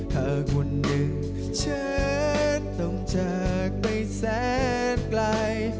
หากวันหนึ่งฉันต้องจากไปแสดกลาย